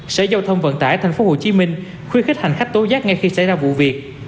sở giao thông vận tải tp hcm khuyến khích hành khách tố giác ngay khi xảy ra vụ việc